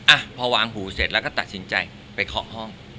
อ่ะพอวางหูเสร็จแล้วก็ตัดสินใจไปเคาะห้อง